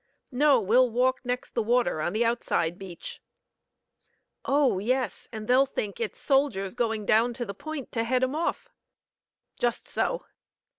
"No; we'll walk next the water on the outside beach." "Oh, yes; and they'll think it's soldiers going down to the Point to head 'em off." "Just so.